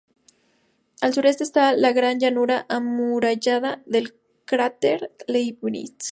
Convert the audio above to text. Al sureste está la gran llanura amurallada del cráter Leibnitz.